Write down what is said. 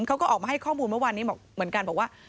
เขาก็ออกมาให้ข้อมูลเมื่อวานนี้เหมือนกันบอกว่า